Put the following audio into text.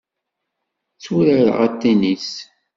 Tturareɣ atinis.